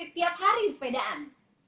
tiap hari sepedaan